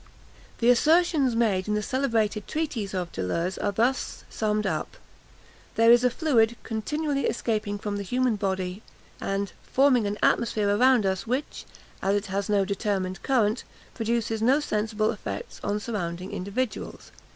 The assertions made in the celebrated treatise of Deleuze are thus summed up: "There is a fluid continually escaping from the human body," and "forming an atmosphere around us," which, as "it has no determined current," produces no sensible effects on surrounding individuals.